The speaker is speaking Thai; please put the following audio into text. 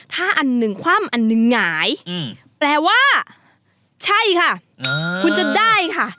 ถ้าอันหนึ่งคว่ำอันหนึ่งหงายแปลว่าใช่ค่ะคุณจะได้ค่ะ